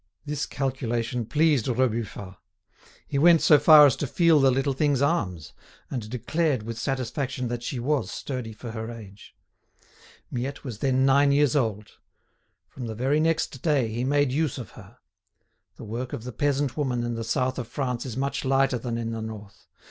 This calculation pleased Rebufat. He went so far as to feel the little thing's arms, and declared with satisfaction that she was sturdy for her age. Miette was then nine years old. From the very next day he made use of her. The work of the peasant woman in the South of France is much lighter than in the North.